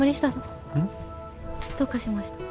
どうかしました？